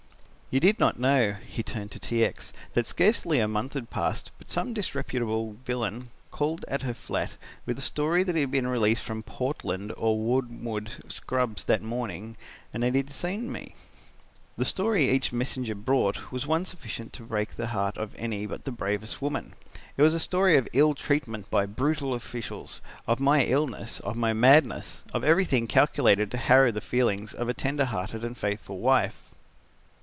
"You did not know," he turned to T. X., "that scarcely a month passed, but some disreputable villain called at her flat, with a story that he had been released from Portland or Wormwood Scrubbs that morning and that he had seen me. The story each messenger brought was one sufficient to break the heart of any but the bravest woman. It was a story of ill treatment by brutal officials, of my illness, of my madness, of everything calculated to harrow the feelings of a tender hearted and faithful wife.